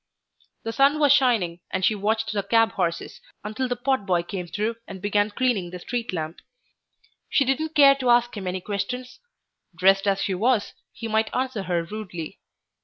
The sun was shining, and she watched the cab horses, until the potboy came through and began cleaning the street lamp. She didn't care to ask him any questions; dressed as she was, he might answer her rudely.